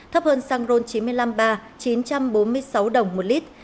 thấp hơn xăng ron chín trăm năm mươi ba chín trăm bốn mươi sáu đồng một lít